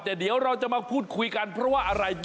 แต่เดี๋ยวเราจะมาพูดคุยกันเพราะว่าอะไร